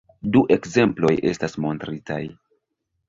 Du ekzemploj estas montritaj.